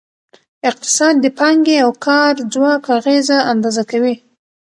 اقتصاد د پانګې او کار ځواک اغیزه اندازه کوي.